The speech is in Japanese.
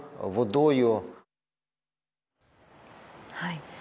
はい。